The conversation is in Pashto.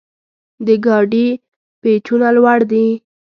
د ګاډي پېچونه لوړ دي.